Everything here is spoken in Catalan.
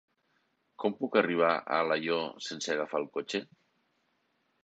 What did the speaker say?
Com puc arribar a Alaior sense agafar el cotxe?